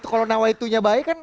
kalau nawaitunya baik kan